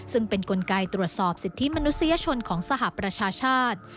ซึ่งเป็นกลไกตรวจสอบสิทธิมนุษยชนของสหประชาชาติ